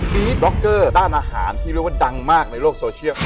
บล็อกเกอร์ด้านอาหารที่เรียกว่าดังมากในโลกโซเชียล